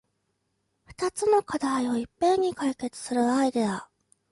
ふたつの課題をいっぺんに解決するアイデア